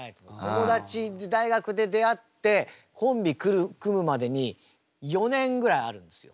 友達大学で出会ってコンビ組むまでに４年ぐらいあるんですよ。